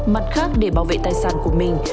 mặt khác để bảo vệ tài sản của mình